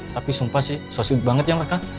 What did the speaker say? tapi sumpah sih sosius banget ya mbak kak